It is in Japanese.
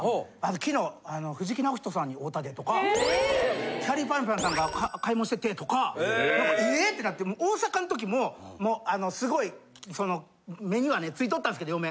「昨日藤木直人さんに会うたで」とか「きゃりーぱみゅぱみゅさんが買い物してて」とかエーッ！ってなって大阪の時ももうあのすごいその目にはねついとったんすけど嫁。